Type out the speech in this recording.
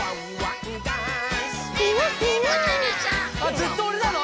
ずっとおれなの？